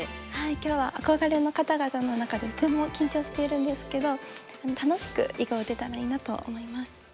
今日は憧れの方々の中でとても緊張しているんですけど楽しく囲碁を打てたらいいなと思います。